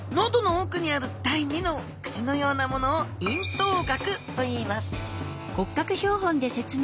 喉の奥にある第２の口のようなものを咽頭顎といいます